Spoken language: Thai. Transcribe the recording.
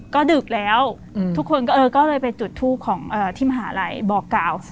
ก็ดึกแล้วทุกคนก็เลยไปจุดทูปของที่มหาลัยบอกกล่าว